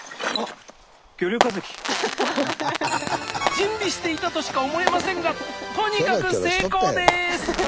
準備していたとしか思えませんがとにかく成功です！